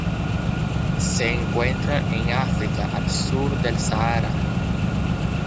Se encuentran en África al sur del Sahara.